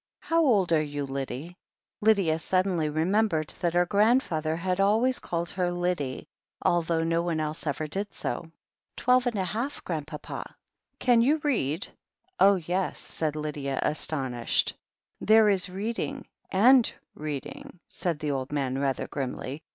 How old are you, Lyddie?" Lydia suddenly remembered that her grandfather had always called her "Lyddie," although no one else ever did so. "Twelve and a half. Grandpapa," "Can you read ?" "Oh, yes," said Lydia, astonished. "There is reading and reading," said the old man rather grimly.